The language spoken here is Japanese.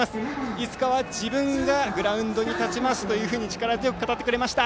いつかは自分がグラウンドに立ちますと力強く語ってくれました。